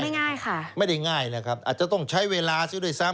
ง่ายค่ะไม่ได้ง่ายเลยครับอาจจะต้องใช้เวลาซิด้วยซ้ำ